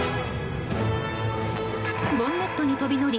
ボンネットに飛び乗り